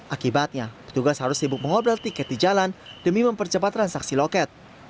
akibatnya petugas harus sibuk mengobrol tiket di jalan demi mempercepat transaksi loket